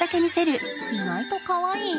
意外とかわいい？